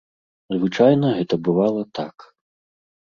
Звычайна гэта бывала так.